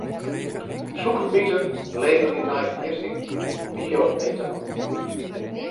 Sûkerbiten leverje nei fergisting bio-etanol.